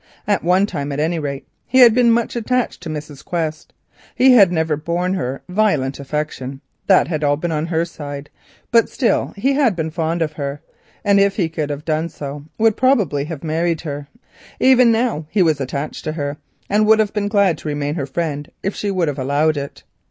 At one time, at any rate, he had been much attached to Mrs. Quest; he had never borne her any violent affection; that had all been on her side, but still he had been fond of her, and if he could have done so, would probably have married her. Even now he was attached to her, and would have been glad to remain her friend if she would have allowed it.